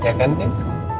ya kan tim